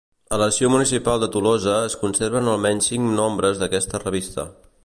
A l'Arxiu Municipal de Tolosa es conserven almenys cinc nombres d'aquesta revista.